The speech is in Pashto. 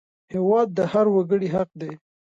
هېواد د هر وګړي حق دی